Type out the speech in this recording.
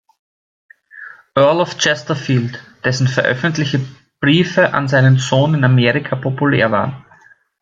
Earl of Chesterfield, dessen veröffentlichte Briefe an seinen Sohn in Amerika populär waren.